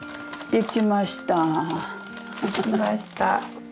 できました。